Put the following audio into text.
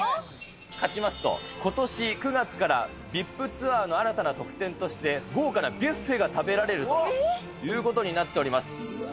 勝ちますと、ことし９月からＶＩＰツアーの新たな特典として、豪華なビュッフェが食べられるということになっております。